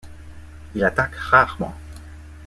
Il attaque rarement.